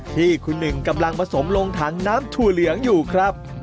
ที่คุณหนึ่งกำลังผสมลงถังน้ำถั่วเหลืองอยู่ครับ